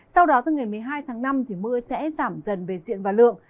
sau đó từ ngày một mươi hai tháng năm thì mưa sẽ giảm dần về diện và lượng